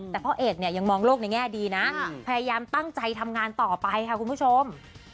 แต่พ่อเอกเนี่ยยังมองโลกในแง่ดีนะพยายามตั้งใจทำงานต่อไปค่ะคุณผู้ชม